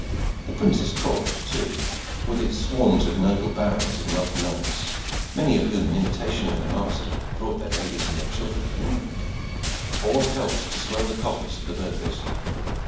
The prince's court, too, with its swarm of noble barons and wealthy knights, many of whom, in imitation of their master, had brought their ladies and their children from England, all helped to swell the coffers of the burghers.